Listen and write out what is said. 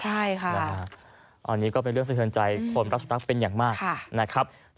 อันนี้ก็เป็นเรื่องสะเทินใจคนรักสุนัขเป็นอย่างมาก